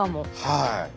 はい。